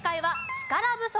力不足。